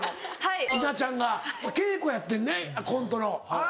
稲ちゃんが稽古やってんねコントの。